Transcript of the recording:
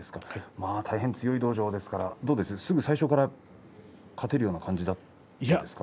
大変強い道場ですからすぐに最初から勝てるような感じだったんですか。